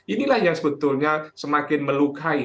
inilah yang sebetulnya semakin melukai